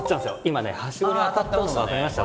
今ねはしごに当たったのが分かりました？